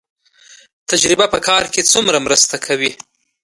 تجربه په کار کې څومره مرسته کوي؟